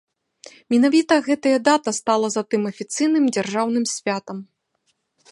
Менавіта гэтая дата стала затым афіцыйным дзяржаўным святам.